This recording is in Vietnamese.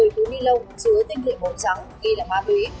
một mươi túi ni lông chứa tinh liệu bộ trắng ghi là ma túy